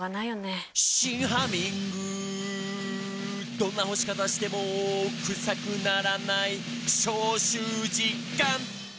「どんな干し方してもクサくならない」「消臭実感！」